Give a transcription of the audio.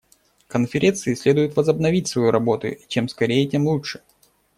Конференции следует возобновить свою работу, и чем скорее, тем лучше.